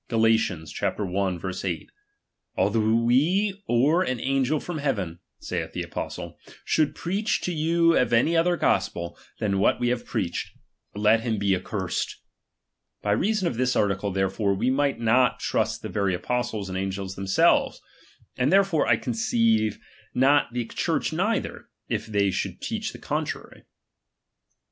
Gal. i, 8 : Although ice or an angel from heaven, saith the apostle, should preach to you any other gospel, than what we have preached ; let him be accursed. By reason of this article, therefore, we might not trust the very apostles and angels themselves, and therefore, 1 conceive, not the Church neither, if they should teach the contrary.